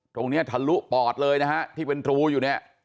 ตรงเนี่ยทะลุปอดเลยนะฮะที่เป็นตรูอยู่เนี่ย